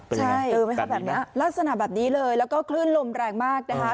เติมไงตัวแบบนี้แหล่ะลักษณะแบบนี้เลยแล้วก็คลื่นลมแรงมากนะคะ